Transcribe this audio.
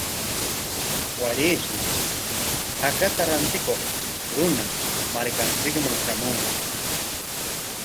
Warayshi hakata rantikuq runa markanchikman shamunqa.